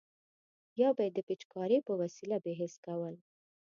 یا به یې د پیچکارۍ په وسیله بې حس کول.